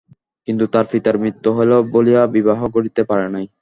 কিন্তু তার পিতার মৃত্যু হইল বলিয়া বিবাহ ঘটিতে পারে নাই।